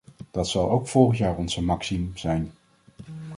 Dat zal ook volgend jaar onze maxime zijn.